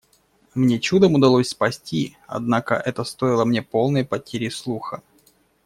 Мне чудом удалось спасти, однако это стоило мне полной потери слуха.